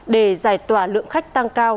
để giải tỏa lượng khách tăng cao